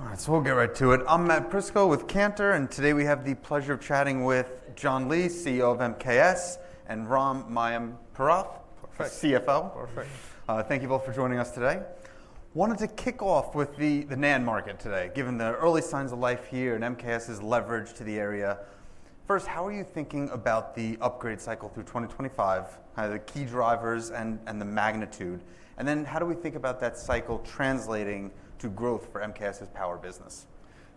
All right, so we'll get right to it. I'm Matt Prisco with Cantor, and today we have the pleasure of chatting with John Lee, CEO of MKS, and Ram Mayampurath, CFO. Perfect. Thank you both for joining us today. Wanted to kick off with the NAND market today, given the early signs of life here and MKS's leverage to the area. First, how are you thinking about the upgrade cycle through 2025, the key drivers and the magnitude? How do we think about that cycle translating to growth for MKS's power business?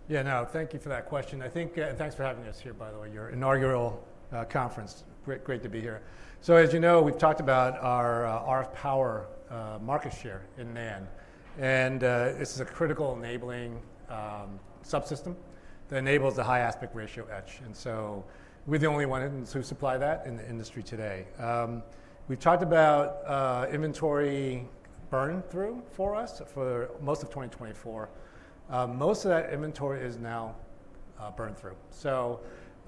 Yeah, no, thank you for that question. I think, and thanks for having us here, by the way, your Inaugural Conference. Great to be here. As you know, we've talked about our RF power market share in NAND, and this is a critical enabling subsystem that enables the high aspect ratio etch. We are the only ones who supply that in the industry today. We've talked about inventory burn-through for us for most of 2024. Most of that inventory is now burn-through.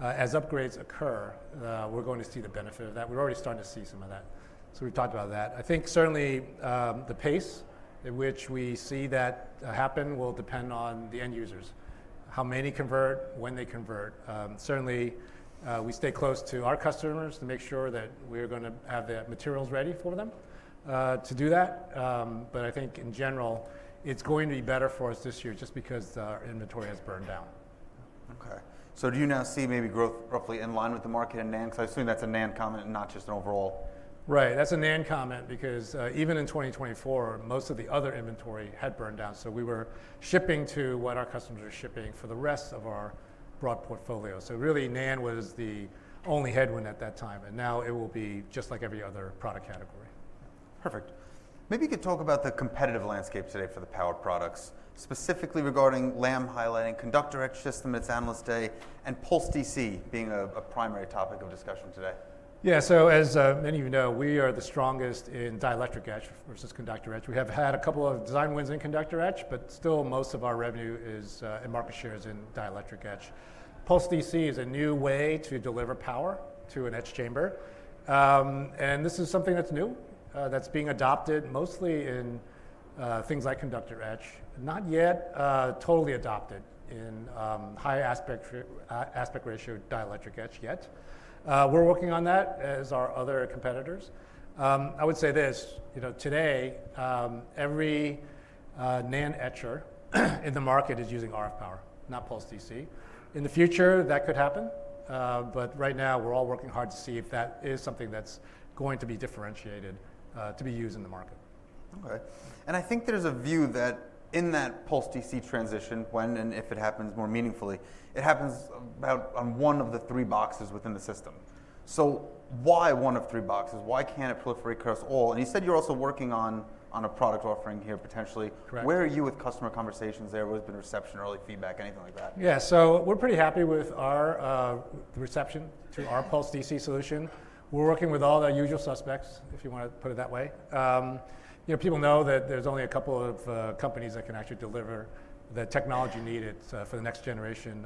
As upgrades occur, we are going to see the benefit of that. We are already starting to see some of that. We have talked about that. I think certainly the pace at which we see that happen will depend on the end users, how many convert, when they convert. Certainly, we stay close to our customers to make sure that we're going to have the materials ready for them to do that. I think in general, it's going to be better for us this year just because our inventory has burned down. Okay. Do you now see maybe growth roughly in line with the market in NAND? Because I assume that's a NAND comment and not just an overall. Right. That's a NAND comment because even in 2024, most of the other inventory had burned down. We were shipping to what our customers are shipping for the rest of our broad portfolio. Really, NAND was the only headwind at that time, and now it will be just like every other product category. Perfect. Maybe you could talk about the competitive landscape today for the power products, specifically regarding Lam highlighting conductor etch system at its Analyst Day and Pulse DC being a primary topic of discussion today. Yeah. As many of you know, we are the strongest in dielectric etch versus conductor etch. We have had a couple of design wins in conductor etch, but still most of our revenue and market share is in dielectric etch. Pulse DC is a new way to deliver power to an etch chamber. This is something that's new, that's being adopted mostly in things like conductor etch, not yet totally adopted in high aspect ratio dielectric etch yet. We're working on that as are our other competitors. I would say this, you know, today every NAND etcher in the market is using RF power, not Pulse DC. In the future, that could happen, but right now we're all working hard to see if that is something that's going to be differentiated to be used in the market. Okay. I think there's a view that in that Pulse DC transition, when and if it happens more meaningfully, it happens about on one of the three boxes within the system. Why one of three boxes? Why can't it proliferate across all? You said you're also working on a product offering here potentially. Where are you with customer conversations there? What has been reception, early feedback, anything like that? Yeah. We're pretty happy with our reception to our Pulse DC solution. We're working with all our usual suspects, if you want to put it that way. You know, people know that there's only a couple of companies that can actually deliver the technology needed for the next generation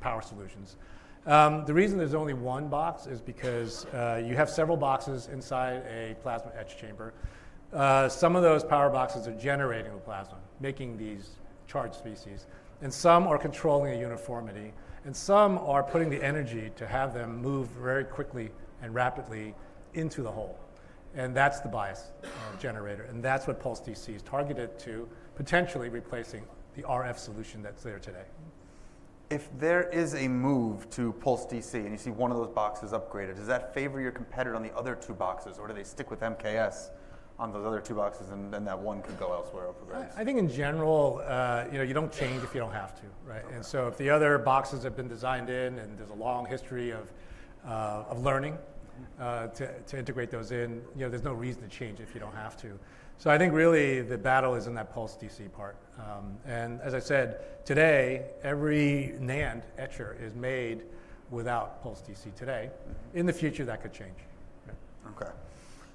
power solutions. The reason there's only one box is because you have several boxes inside a plasma etch chamber. Some of those power boxes are generating the plasma, making these charged species, and some are controlling a uniformity, and some are putting the energy to have them move very quickly and rapidly into the hole. That's the bias generator, and that's what Pulse DC is targeted to, potentially replacing the RF solution that's there today. If there is a move to Pulse DC and you see one of those boxes upgraded, does that favor your competitor on the other two boxes, or do they stick with MKS on those other two boxes and then that one could go elsewhere up for grabs? I think in general, you know, you do not change if you do not have to, right? You know, if the other boxes have been designed in and there is a long history of learning to integrate those in, you know, there is no reason to change if you do not have to. I think really the battle is in that Pulse DC part. As I said, today every NAND etcher is made without Pulse DC today. In the future, that could change. Okay.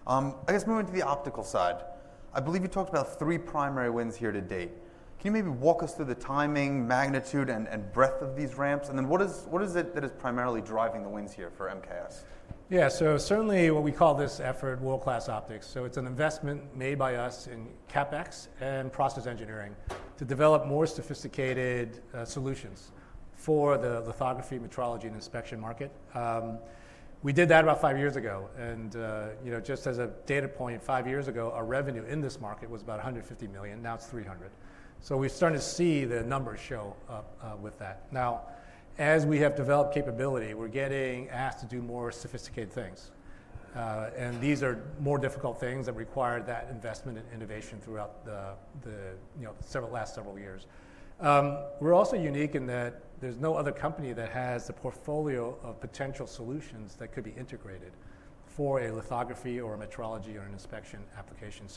I guess moving to the optical side, I believe you talked about three primary wins here to date. Can you maybe walk us through the timing, magnitude, and breadth of these ramps? What is it that is primarily driving the wins here for MKS? Yeah. Certainly what we call this effort, world-class optics. It is an investment made by us in CapEx and process engineering to develop more sophisticated solutions for the lithography, metrology, and inspection market. We did that about five years ago. You know, just as a data point, five years ago, our revenue in this market was about $150 million. Now it is $300 million. We have started to see the numbers show up with that. Now, as we have developed capability, we are getting asked to do more sophisticated things. These are more difficult things that require that investment and innovation throughout the last several years. We are also unique in that there is no other company that has the portfolio of potential solutions that could be integrated for a lithography or a metrology or an inspection application.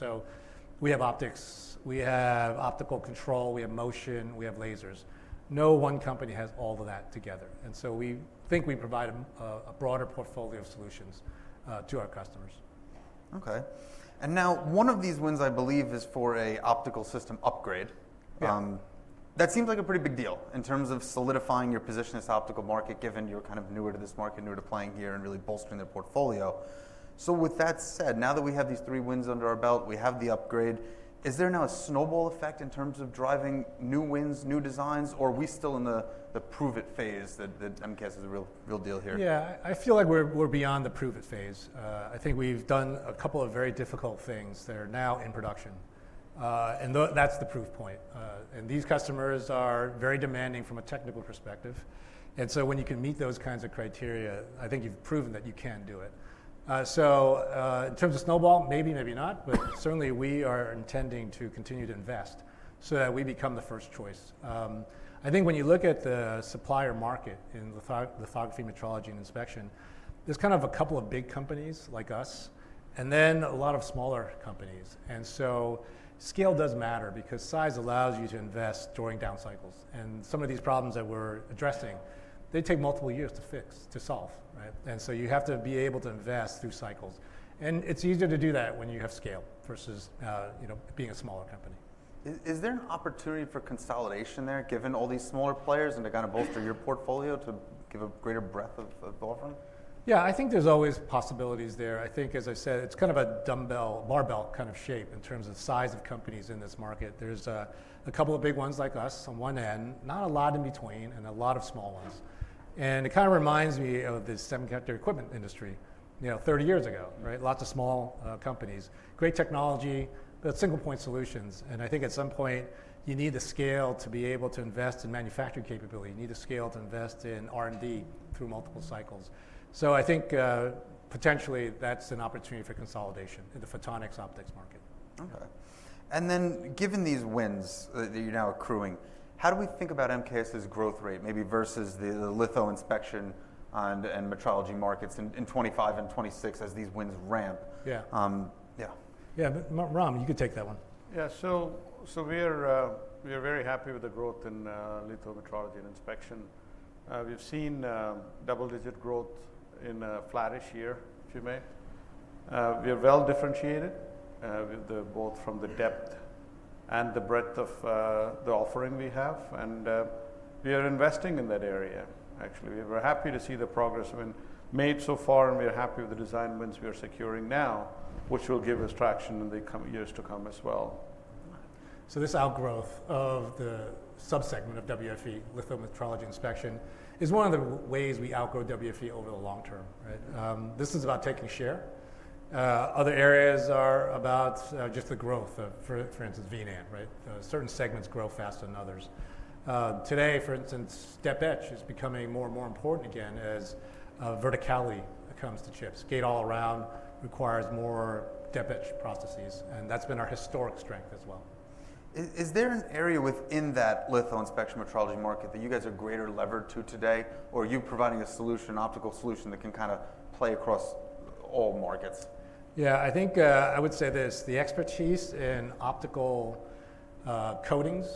We have optics, we have optical control, we have motion, we have lasers. No one company has all of that together. We think we provide a broader portfolio of solutions to our customers. Okay. One of these wins, I believe, is for an optical system upgrade. That seems like a pretty big deal in terms of solidifying your position in this optical market, given you're kind of newer to this market, newer to playing here and really bolstering their portfolio. With that said, now that we have these three wins under our belt, we have the upgrade, is there now a snowball effect in terms of driving new wins, new designs, or are we still in the prove-it phase that MKS is a real deal here? Yeah, I feel like we're beyond the prove-it phase. I think we've done a couple of very difficult things that are now in production, and that's the proof point. These customers are very demanding from a technical perspective. When you can meet those kinds of criteria, I think you've proven that you can do it. In terms of snowball, maybe, maybe not, but certainly we are intending to continue to invest so that we become the first choice. I think when you look at the supplier market in lithography, metrology, and inspection, there's kind of a couple of big companies like us and then a lot of smaller companies. Scale does matter because size allows you to invest during down cycles. Some of these problems that we're addressing, they take multiple years to fix, to solve, right? You have to be able to invest through cycles. It's easier to do that when you have scale versus, you know, being a smaller company. Is there an opportunity for consolidation there given all these smaller players and to kind of bolster your portfolio to give a greater breadth of offering? Yeah, I think there's always possibilities there. I think, as I said, it's kind of a dumbbell, barbell kind of shape in terms of the size of companies in this market. There's a couple of big ones like us on one end, not a lot in between, and a lot of small ones. It kind of reminds me of the semiconductor equipment industry, you know, 30 years ago, right? Lots of small companies, great technology, but single point solutions. I think at some point you need the scale to be able to invest in manufacturing capability. You need the scale to invest in R&D through multiple cycles. I think potentially that's an opportunity for consolidation in the photonics optics market. Okay. Given these wins that you're now accruing, how do we think about MKS's growth rate maybe versus the litho-inspection and metrology markets in 2025 and 2026 as these wins ramp? Yeah. Yeah. Yeah. Ram, you could take that one. Yeah. We are very happy with the growth in litho-metrology and inspection. We've seen double-digit growth in a flattish year, if you may. We are well differentiated both from the depth and the breadth of the offering we have, and we are investing in that area. Actually, we're happy to see the progress we made so far, and we're happy with the design wins we are securing now, which will give us traction in the coming years to come as well. This outgrowth of the subsegment of WFE, litho-metrology inspection, is one of the ways we outgrow WFE over the long term, right? This is about taking share. Other areas are about just the growth of, for instance, V-NAND, right? Certain segments grow faster than others. Today, for instance, depth etch is becoming more and more important again as verticality comes to chips. Gate-all-around requires more depth etch processes, and that's been our historic strength as well. Is there an area within that litho-inspection metrology market that you guys are greater levered to today, or are you providing a solution, optical solution that can kind of play across all markets? Yeah, I think I would say this. The expertise in optical coatings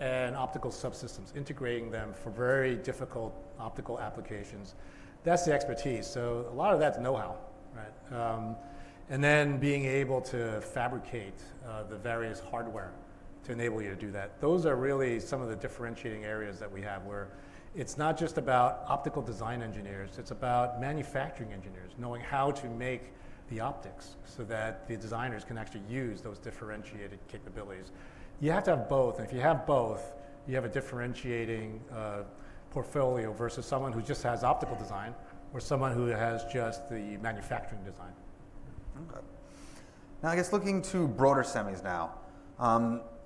and optical subsystems, integrating them for very difficult optical applications, that's the expertise. A lot of that's know-how, right? And then being able to fabricate the various hardware to enable you to do that. Those are really some of the differentiating areas that we have where it's not just about optical design engineers, it's about manufacturing engineers knowing how to make the optics so that the designers can actually use those differentiated capabilities. You have to have both, and if you have both, you have a differentiating portfolio versus someone who just has optical design or someone who has just the manufacturing design. Okay. Now, I guess looking to broader semis now,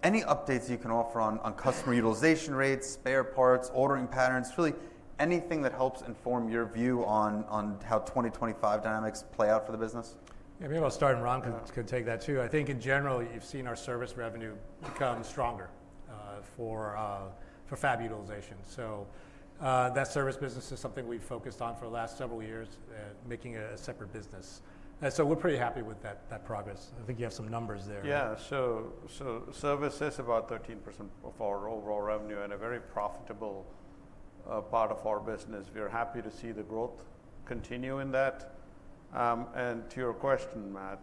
any updates you can offer on customer utilization rates, spare parts, ordering patterns, really anything that helps inform your view on how 2025 dynamics play out for the business? Yeah, maybe I'll start and Ram can take that too. I think in general, you've seen our service revenue become stronger for fab utilization. That service business is something we've focused on for the last several years, making it a separate business. We're pretty happy with that progress. I think you have some numbers there. Yeah. Service is about 13% of our overall revenue and a very profitable part of our business. We are happy to see the growth continue in that. To your question, Matt,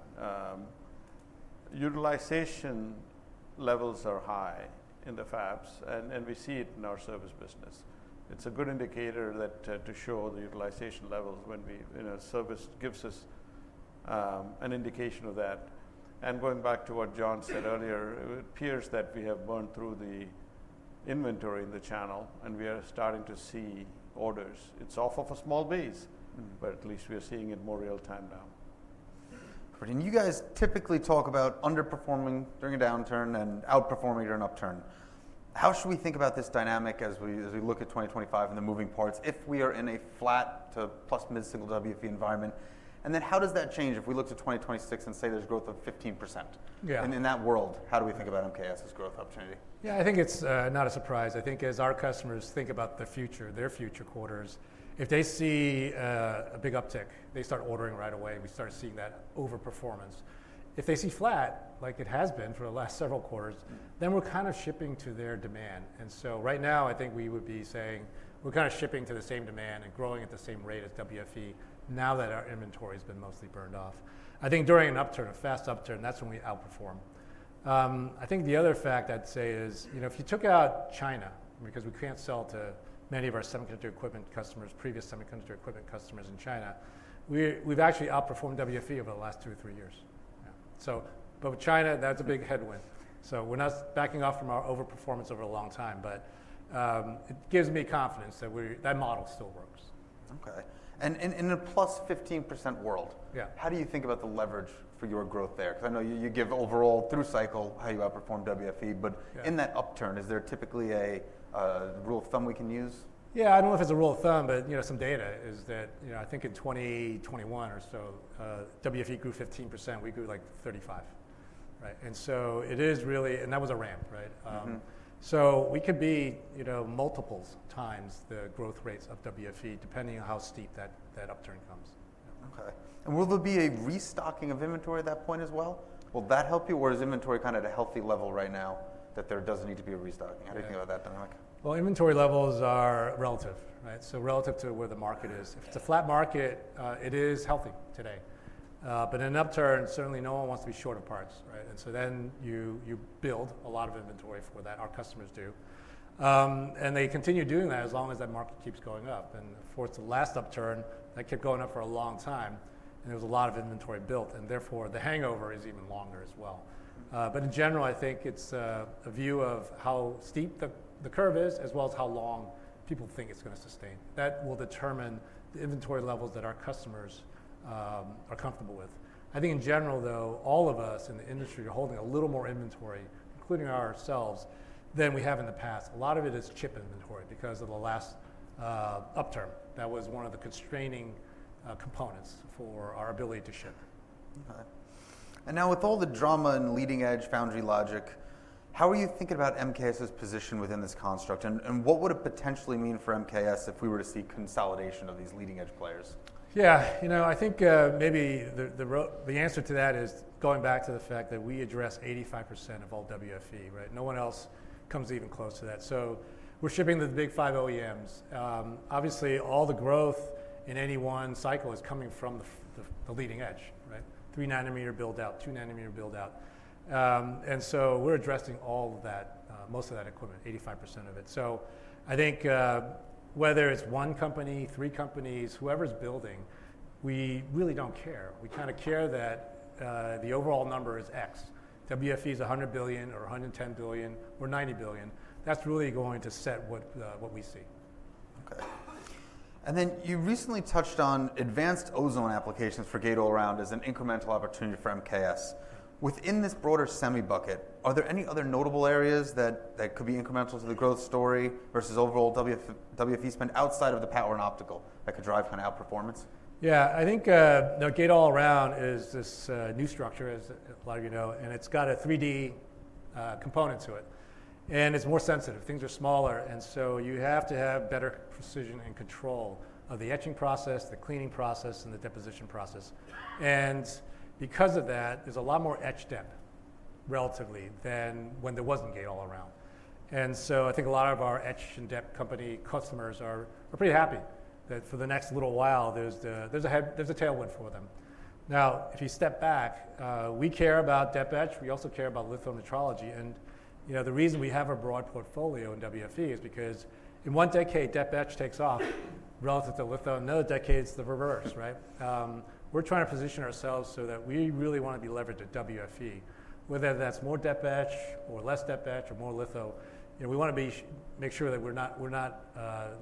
utilization levels are high in the fabs, and we see it in our service business. It's a good indicator to show the utilization levels when service gives us an indication of that. Going back to what John said earlier, it appears that we have burned through the inventory in the channel, and we are starting to see orders. It's off of a small base, but at least we are seeing it more real-time now. You guys typically talk about underperforming during a downturn and outperforming during an upturn. How should we think about this dynamic as we look at 2025 and the moving parts if we are in a flat to plus mid single WFE environment? How does that change if we look to 2026 and say there's growth of 15%? Yeah. In that world, how do we think about MKS's growth opportunity? Yeah, I think it's not a surprise. I think as our customers think about their future quarters, if they see a big uptick, they start ordering right away. We start seeing that overperformance. If they see flat, like it has been for the last several quarters, then we're kind of shipping to their demand. Right now, I think we would be saying we're kind of shipping to the same demand and growing at the same rate as WFE now that our inventory has been mostly burned off. I think during an upturn, a fast upturn, that's when we outperform. I think the other fact I'd say is, you know, if you took out China, because we can't sell to many of our semiconductor equipment customers, previous semiconductor equipment customers in China, we've actually outperformed WFE over the last two or three years. Yeah. With China, that's a big headwind. We're not backing off from our overperformance over a long time, but it gives me confidence that that model still works. Okay. In a +15% world, how do you think about the leverage for your growth there? Because I know you give overall through cycle how you outperform WFE, but in that upturn, is there typically a rule of thumb we can use? Yeah, I don't know if it's a rule of thumb, but you know, some data is that, you know, I think in 2021 or so, WFE grew 15%, we grew like 35%, right? It is really, and that was a ramp, right? We could be, you know, multiples times the growth rates of WFE depending on how steep that upturn comes. Okay. Will there be a restocking of inventory at that point as well? Will that help you, or is inventory kind of at a healthy level right now that there does not need to be a restocking? How do you think about that dynamic? Inventory levels are relative, right? Relative to where the market is. If it is a flat market, it is healthy today. In an upturn, certainly no one wants to be short of parts, right? You build a lot of inventory for that. Our customers do. They continue doing that as long as that market keeps going up. For the last upturn, that kept going up for a long time, and there was a lot of inventory built, and therefore the hangover is even longer as well. In general, I think it is a view of how steep the curve is as well as how long people think it is going to sustain. That will determine the inventory levels that our customers are comfortable with. I think in general, though, all of us in the industry are holding a little more inventory, including ourselves, than we have in the past. A lot of it is chip inventory because of the last upturn. That was one of the constraining components for our ability to ship. Okay. Now with all the drama and leading-edge foundry logic, how are you thinking about MKS's position within this construct, and what would it potentially mean for MKS if we were to see consolidation of these leading-edge players? Yeah, you know, I think maybe the answer to that is going back to the fact that we address 85% of all WFE, right? No one else comes even close to that. We are shipping to the big five OEMs. Obviously, all the growth in any one cycle is coming from the leading edge, right? 3 nm build-out, 2 nm build-out. We are addressing all of that, most of that equipment, 85% of it. I think whether it is one company, three companies, whoever is building, we really do not care. We kind of care that the overall number is X. WFE is $100 billion or $110 billion or $90 billion. That is really going to set what we see. Okay. You recently touched on advanced ozone applications for gate-all-around as an incremental opportunity for MKS. Within this broader semi bucket, are there any other notable areas that could be incremental to the growth story versus overall WFE spend outside of the power and optical that could drive kind of outperformance? Yeah, I think gate-all-around is this new structure, as a lot of you know, and it's got a 3D component to it, and it's more sensitive. Things are smaller, and so you have to have better precision and control of the etching process, the cleaning process, and the deposition process. Because of that, there's a lot more etch depth relatively than when there wasn't gate-all-around. I think a lot of our etch and depth company customers are pretty happy that for the next little while, there's a tailwind for them. Now, if you step back, we care about depth etch. We also care about litho-metrology. You know, the reason we have a broad portfolio in WFE is because in one decade, depth etch takes off relative to litho. In other decades, the reverse, right? We're trying to position ourselves so that we really want to be leveraged at WFE, whether that's more depth etch or less depth etch or more litho. You know, we want to make sure that we're not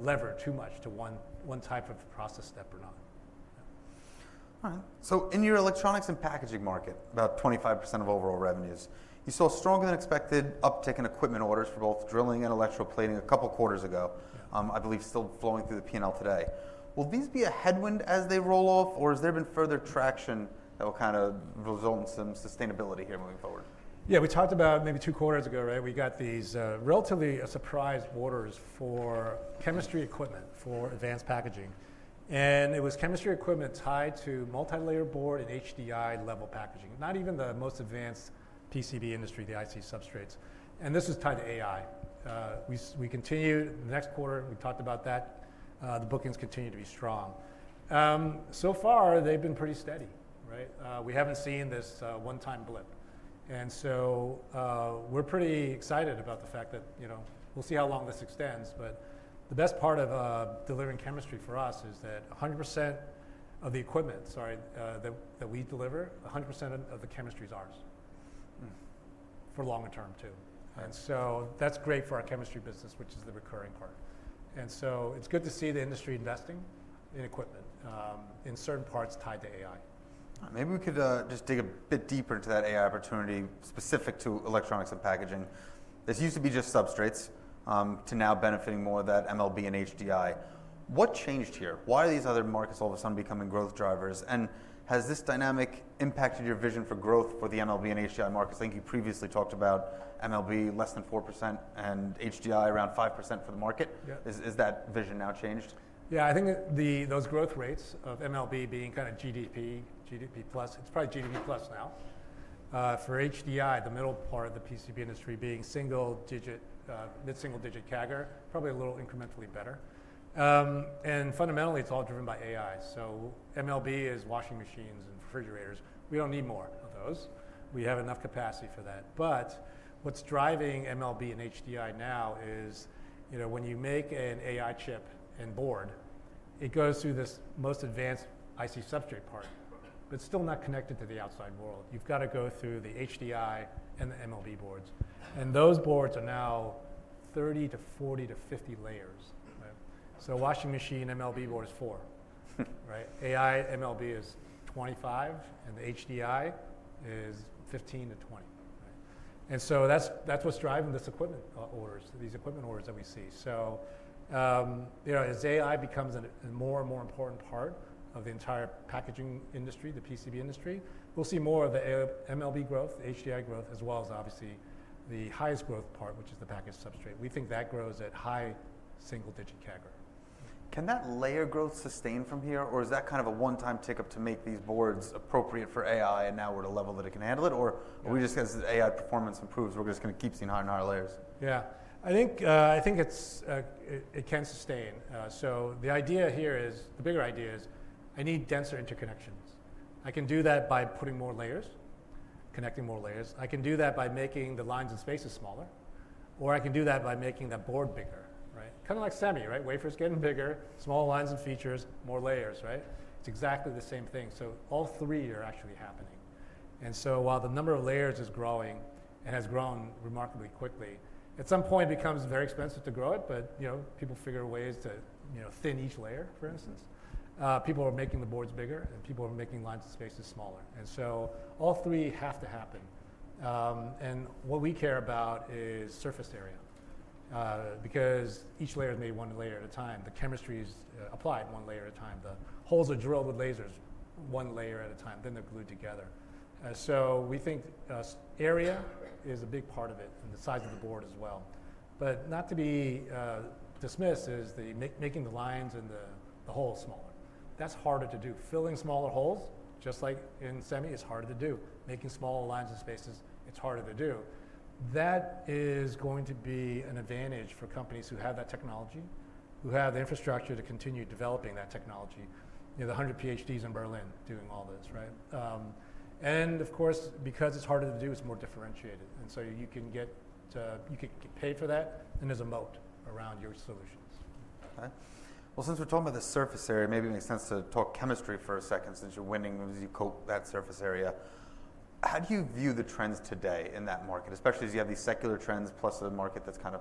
levered too much to one type of process step or not. All right. In your electronics and packaging market, about 25% of overall revenues, you saw a stronger than expected uptick in equipment orders for both drilling and electrical plating a couple quarters ago, I believe still flowing through the P&L today. Will these be a headwind as they roll off, or has there been further traction that will kind of result in some sustainability here moving forward? Yeah, we talked about maybe two quarters ago, right? We got these relatively surprised orders for chemistry equipment for advanced packaging. It was chemistry equipment tied to multi-layer board and HDI level packaging, not even the most advanced PCB industry, the IC substrates. This is tied to AI. We continued the next quarter, and we talked about that. The bookings continue to be strong. So far, they've been pretty steady, right? We haven't seen this one-time blip. We're pretty excited about the fact that, you know, we'll see how long this extends, but the best part of delivering chemistry for us is that 100% of the equipment, sorry, that we deliver, 100% of the chemistry's ours for longer term too. That's great for our chemistry business, which is the recurring part. It's good to see the industry investing in equipment in certain parts tied to AI. Maybe we could just dig a bit deeper into that AI opportunity specific to electronics and packaging. This used to be just substrates to now benefiting more of that MLB and HDI. What changed here? Why are these other markets all of a sudden becoming growth drivers? Has this dynamic impacted your vision for growth for the MLB and HDI markets? I think you previously talked about MLB less than 4% and HDI around 5% for the market. Is that vision now changed? Yeah, I think those growth rates of MLB being kind of GDP, GDP plus, it's probably GDP plus now. For HDI, the middle part of the PCB industry being single digit, mid-single digit CAGR, probably a little incrementally better. Fundamentally, it's all driven by AI. MLB is washing machines and refrigerators. We don't need more of those. We have enough capacity for that. What's driving MLB and HDI now is, you know, when you make an AI chip and board, it goes through this most advanced IC substrate part, but it's still not connected to the outside world. You've got to go through the HDI and the MLB boards. Those boards are now 30-40-50 layers, right? Washing machine MLB board is four, right? AI MLB is 25, and the HDI is 15-20, right? That's what's driving this equipment orders, these equipment orders that we see. You know, as AI becomes a more and more important part of the entire packaging industry, the PCB industry, we'll see more of the MLB growth, the HDI growth, as well as obviously the highest growth part, which is the package substrate. We think that grows at high single digit CAGR. Can that layer growth sustain from here, or is that kind of a one-time tick up to make these boards appropriate for AI and now we're at a level that it can handle it? Or are we just going to see the AI performance improves, we're just going to keep seeing higher and higher layers? Yeah, I think it can sustain. The idea here is, the bigger idea is I need denser interconnections. I can do that by putting more layers, connecting more layers. I can do that by making the lines and spaces smaller, or I can do that by making that board bigger, right? Kind of like semi, right? Wafers getting bigger, small lines and features, more layers, right? It's exactly the same thing. All three are actually happening. While the number of layers is growing and has grown remarkably quickly, at some point it becomes very expensive to grow it, but you know, people figure ways to, you know, thin each layer, for instance. People are making the boards bigger, and people are making lines and spaces smaller. All three have to happen. What we care about is surface area because each layer is made one layer at a time. The chemistry's applied one layer at a time. The holes are drilled with lasers one layer at a time, then they're glued together. We think area is a big part of it and the size of the board as well. Not to be dismissed is making the lines and the holes smaller. That's harder to do. Filling smaller holes, just like in semi, is harder to do. Making smaller lines and spaces, it's harder to do. That is going to be an advantage for companies who have that technology, who have the infrastructure to continue developing that technology. You know, the 100 PhDs in Berlin doing all this, right? Of course, because it's harder to do, it's more differentiated. You can get paid for that, and there's a moat around your solutions. Okay. Since we're talking about the surface area, maybe it makes sense to talk chemistry for a second since you're winning as you coat that surface area. How do you view the trends today in that market, especially as you have these secular trends plus a market that's kind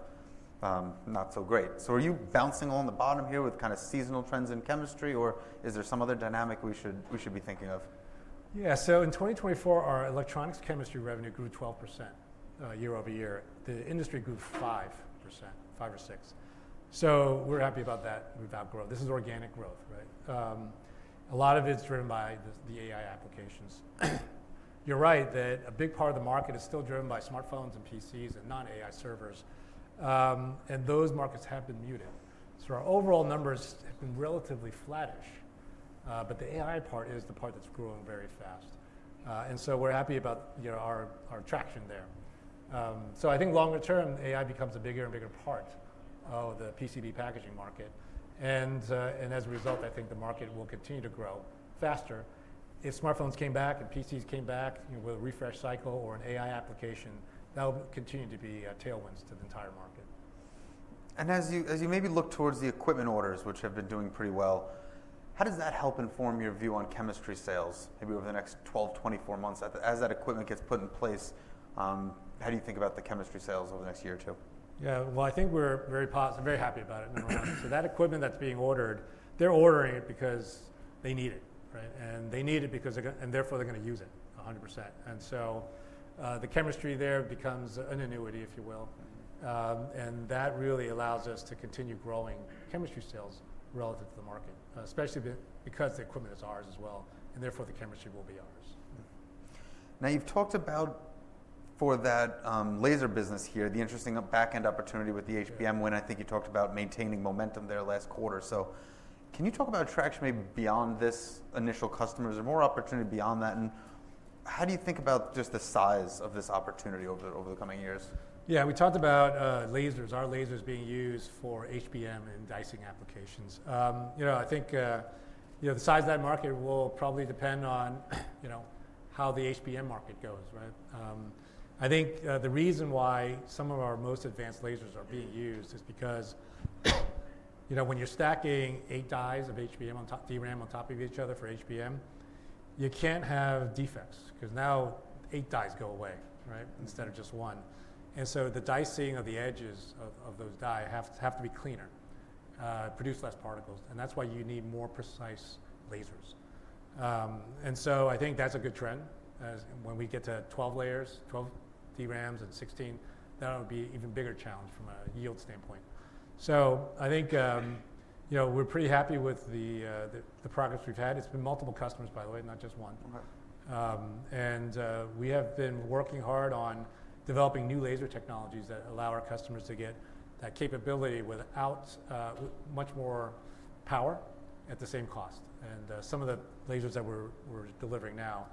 of not so great? Are you bouncing on the bottom here with kind of seasonal trends in chemistry, or is there some other dynamic we should be thinking of? Yeah, so in 2024, our electronics chemistry revenue grew 12% year-over-year. The industry grew 5%, 5% or 6%. We are happy about that. We have outgrown. This is organic growth, right? A lot of it is driven by the AI applications. You are right that a big part of the market is still driven by smartphones and PCs and non-AI servers. Those markets have been muted. Our overall numbers have been relatively flattish, but the AI part is the part that is growing very fast. We are happy about, you know, our traction there. I think longer term, AI becomes a bigger and bigger part of the PCB packaging market. As a result, I think the market will continue to grow faster. If smartphones came back and PCs came back, you know, with a refresh cycle or an AI application, that will continue to be tailwinds to the entire market. As you maybe look towards the equipment orders, which have been doing pretty well, how does that help inform your view on chemistry sales maybe over the next 12-24 months as that equipment gets put in place? How do you think about the chemistry sales over the next year or two? Yeah, I think we're very positive, very happy about it. That equipment that's being ordered, they're ordering it because they need it, right? They need it because, and therefore they're going to use it 100%. The chemistry there becomes an annuity, if you will. That really allows us to continue growing chemistry sales relative to the market, especially because the equipment is ours as well. Therefore the chemistry will be ours. Now you've talked about for that laser business here, the interesting backend opportunity with the HBM win, I think you talked about maintaining momentum there last quarter. Can you talk about traction maybe beyond this initial customers or more opportunity beyond that? How do you think about just the size of this opportunity over the coming years? Yeah, we talked about lasers, our lasers being used for HBM and dicing applications. You know, I think, you know, the size of that market will probably depend on, you know, how the HBM market goes, right? I think the reason why some of our most advanced lasers are being used is because, you know, when you're stacking eight dies of HBM on top, DRAM on top of each other for HBM, you can't have defects because now eight dies go away, right, instead of just one. You know, the dicing of the edges of those die have to be cleaner, produce less particles. That's why you need more precise lasers. I think that's a good trend. When we get to 12 layers, 12 DRAMs and 16, that'll be an even bigger challenge from a yield standpoint. I think, you know, we're pretty happy with the progress we've had. It's been multiple customers, by the way, not just one. We have been working hard on developing new laser technologies that allow our customers to get that capability without much more power at the same cost. Some of the lasers that we're delivering now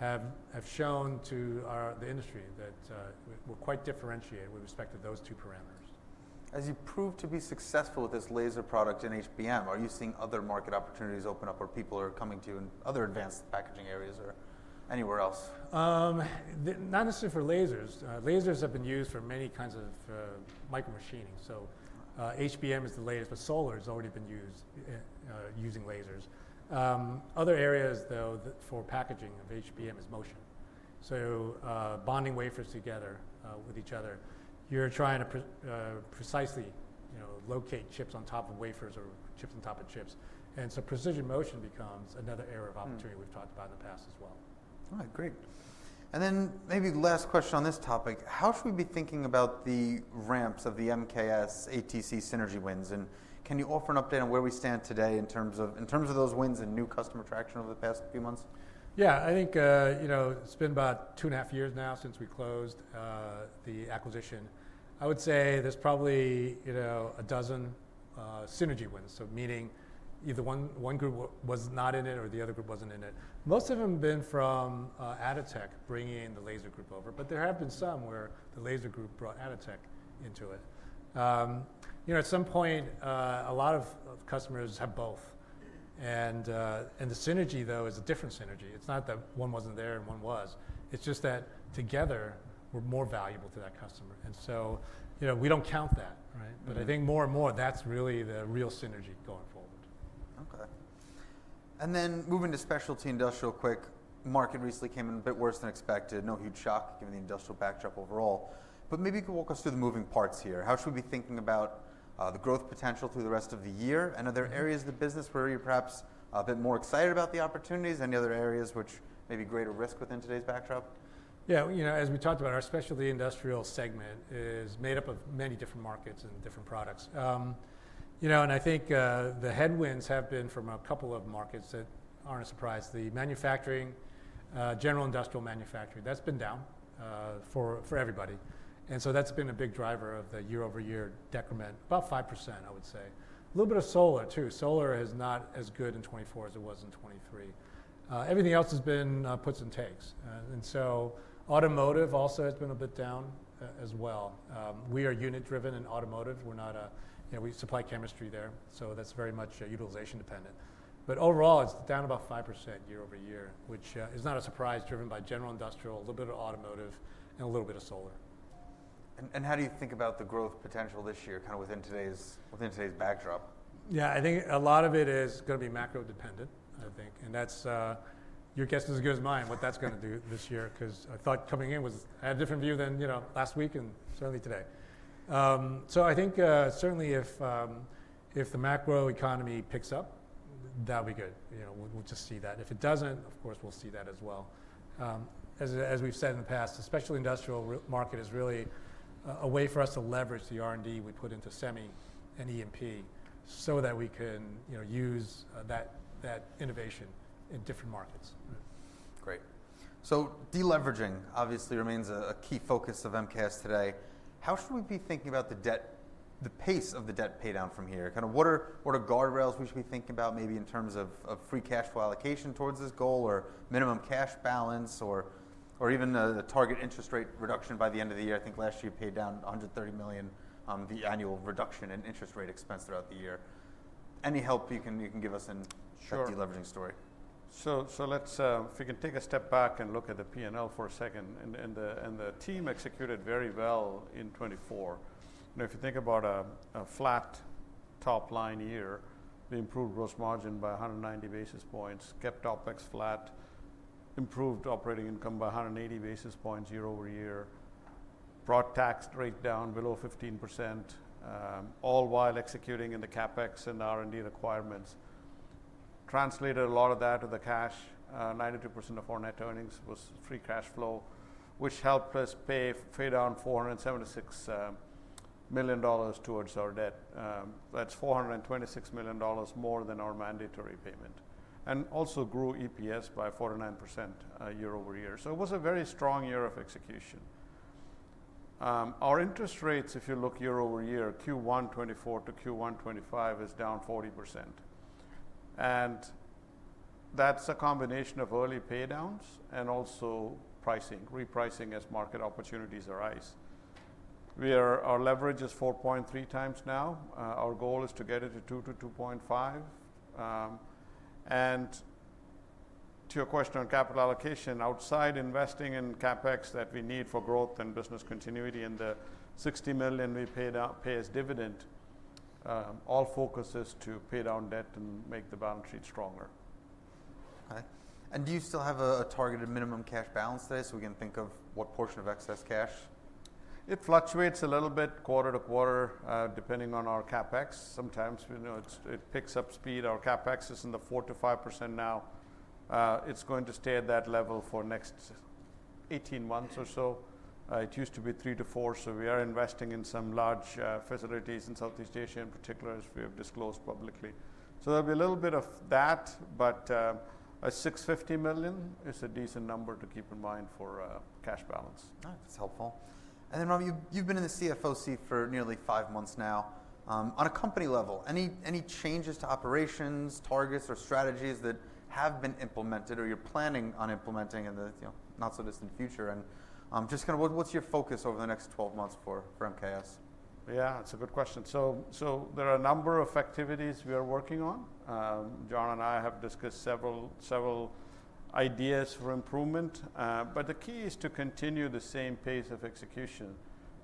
have shown to the industry that we're quite differentiated with respect to those two parameters. As you prove to be successful with this laser product in HBM, are you seeing other market opportunities open up where people are coming to you in other advanced packaging areas or anywhere else? Not necessarily for lasers. Lasers have been used for many kinds of micro machining. HBM is the latest, but solar has already been used using lasers. Other areas, though, for packaging of HBM is motion. Bonding wafers together with each other. You're trying to precisely, you know, locate chips on top of wafers or chips on top of chips. Precision motion becomes another area of opportunity we've talked about in the past as well. All right, great. Maybe the last question on this topic, how should we be thinking about the ramps of the MKS ATC synergy wins? Can you offer an update on where we stand today in terms of those wins and new customer traction over the past few months? Yeah, I think, you know, it's been about two and a half years now since we closed the acquisition. I would say there's probably, you know, a dozen synergy wins. So meaning either one group was not in it or the other group wasn't in it. Most of them have been from Atotech bringing the laser group over, but there have been some where the laser group brought Atotech into it. You know, at some point, a lot of customers have both. The synergy, though, is a different synergy. It's not that one wasn't there and one was. It's just that together we're more valuable to that customer. You know, we don't count that, right? I think more and more that's really the real synergy going forward. Okay. And then moving to specialty industrial quick, market recently came in a bit worse than expected. No huge shock given the industrial backdrop overall. Maybe you could walk us through the moving parts here. How should we be thinking about the growth potential through the rest of the year? Are there areas of the business where you're perhaps a bit more excited about the opportunities? Any other areas which may be greater risk within today's backdrop? Yeah, you know, as we talked about, our specialty industrial segment is made up of many different markets and different products. You know, and I think the headwinds have been from a couple of markets that aren't a surprise. The manufacturing, general industrial manufacturing, that's been down for everybody. That's been a big driver of the year-over-year decrement, about 5%, I would say. A little bit of solar too. Solar is not as good in 2024 as it was in 2023. Everything else has been puts and takes. Automotive also has been a bit down as well. We are unit-driven in automotive. We're not a, you know, we supply chemistry there. That's very much utilization dependent. Overall, it's down about 5% year-over-year, which is not a surprise driven by general industrial, a little bit of automotive, and a little bit of solar. How do you think about the growth potential this year kind of within today's backdrop? Yeah, I think a lot of it is going to be macro dependent, I think. Your guess is as good as mine what that's going to do this year because I thought coming in was, I had a different view than, you know, last week and certainly today. I think certainly if the macro economy picks up, that'll be good. You know, we'll just see that. If it doesn't, of course, we'll see that as well. As we've said in the past, the specialty industrial market is really a way for us to leverage the R&D we put into semi and E&P so that we can, you know, use that innovation in different markets. Great. Deleveraging obviously remains a key focus of MKS today. How should we be thinking about the pace of the debt paydown from here? Kind of what are guardrails we should be thinking about maybe in terms of free cash flow allocation towards this goal or minimum cash balance or even a target interest rate reduction by the end of the year? I think last year you paid down $130 million, the annual reduction in interest rate expense throughout the year. Any help you can give us in the deleveraging story? Sure. Let's, if we can, take a step back and look at the P&L for a second. The team executed very well in 2024. You know, if you think about a flat top line year, they improved gross margin by 190 basis points, kept OpEx flat, improved operating income by 180 basis points year-over-year, brought tax rate down below 15%, all while executing in the CapEx and R&D requirements. Translated a lot of that to the cash, 92% of our net earnings was free cash flow, which helped us pay down $476 million towards our debt. That's $426 million more than our mandatory payment. Also grew EPS by 49% year-over-year. It was a very strong year of execution. Our interest rates, if you look year-over-year, Q1 2024 to Q1 2025, is down 40%. That is a combination of early paydowns and also pricing, repricing as market opportunities arise. Our leverage is 4.3x now. Our goal is to get it to 2x-2.5x. To your question on capital allocation, outside investing in CapEx that we need for growth and business continuity and the $60 million we pay as dividend, all focus is to pay down debt and make the balance sheet stronger. Okay. Do you still have a targeted minimum cash balance today so we can think of what portion of excess cash? It fluctuates a little bit quarter to quarter depending on our CapEx. Sometimes, you know, it picks up speed. Our CapEx is in the 4%-5% now. It's going to stay at that level for the next 18 months or so. It used to be 3%-4%. We are investing in some large facilities in Southeast Asia in particular as we have disclosed publicly. There will be a little bit of that, but a $650 million is a decent number to keep in mind for cash balance. That's helpful. Ram, you've been in the CFO seat for nearly five months now. On a company level, any changes to operations, targets, or strategies that have been implemented or you're planning on implementing in the, you know, not so distant future? Just kind of what's your focus over the next 12 months for MKS? Yeah, that's a good question. There are a number of activities we are working on. John and I have discussed several ideas for improvement. The key is to continue the same pace of execution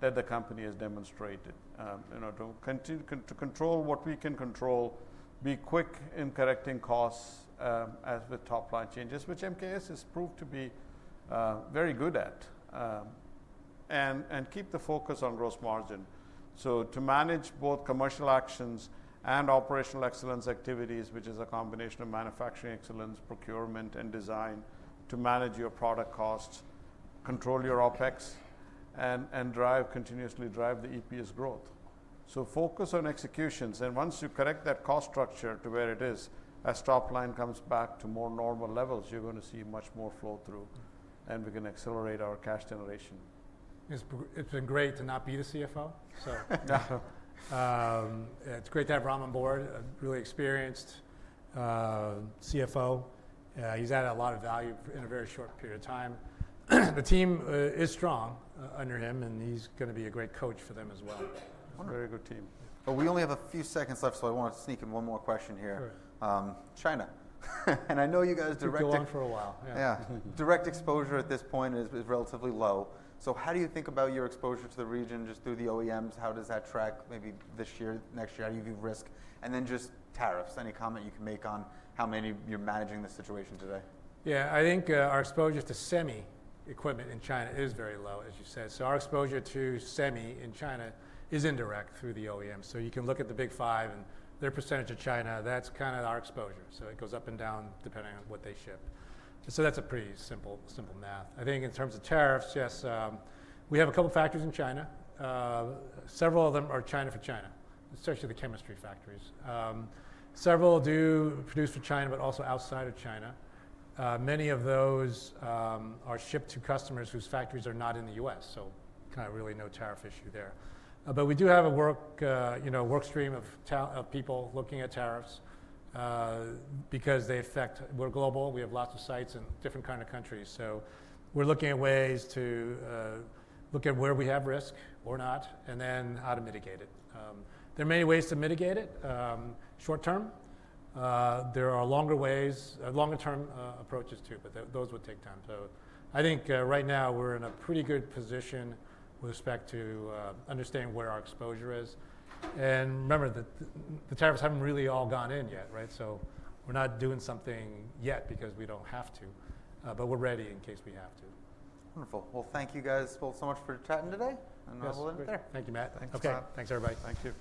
that the company has demonstrated. You know, to control what we can control, be quick in correcting costs as the top line changes, which MKS has proved to be very good at. Keep the focus on gross margin. To manage both commercial actions and operational excellence activities, which is a combination of manufacturing excellence, procurement, and design to manage your product costs, control your OpEx, and continuously drive the EPS growth. Focus on executions. Once you correct that cost structure to where it is, as top line comes back to more normal levels, you're going to see much more flow through and we can accelerate our cash generation. It's been great to not be the CFO. It's great to have Ram on board, a really experienced CFO. He's added a lot of value in a very short period of time. The team is strong under him and he's going to be a great coach for them as well. Very good team. We only have a few seconds left, so I want to sneak in one more question here. China. I know you guys directed. We've been doing for a while. Yeah. Direct exposure at this point is relatively low. How do you think about your exposure to the region just through the OEMs? How does that track maybe this year, next year? How do you view risk? Any comment you can make on how you're managing the situation today? Yeah, I think our exposure to semi equipment in China is very low, as you said. Our exposure to semi in China is indirect through the OEM. You can look at the big five and their percentage of China, that's kind of our exposure. It goes up and down depending on what they ship. That's a pretty simple math. I think in terms of tariffs, yes, we have a couple of factories in China. Several of them are China for China, especially the chemistry factories. Several do produce for China, but also outside of China. Many of those are shipped to customers whose factories are not in the U.S. There is really no tariff issue there. We do have a work stream of people looking at tariffs because they affect we're global. We have lots of sites in different kinds of countries. We are looking at ways to look at where we have risk or not, and then how to mitigate it. There are many ways to mitigate it short term. There are longer ways, longer term approaches too, but those would take time. I think right now we are in a pretty good position with respect to understanding where our exposure is. Remember that the tariffs have not really all gone in yet, right? We are not doing something yet because we do not have to, but we are ready in case we have to. Wonderful. Thank you guys both so much for chatting today. I'll end it there. Thank you, Matt. Thanks, Ram. Thanks, everybody. Thank you.